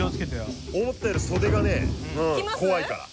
思ったより袖がね怖いから。